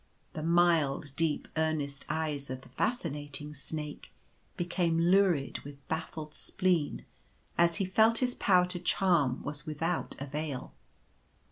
The mild, deep earnest eyes of the fascinating snake became lurid with baffled spleen, as he felt his power to charm was without avail.